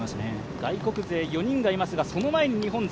外国勢４人がいますが、その前に日本勢。